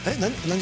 何？